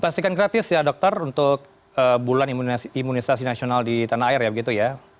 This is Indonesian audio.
pastikan gratis ya dokter untuk bulan imunisasi nasional di tanah air ya begitu ya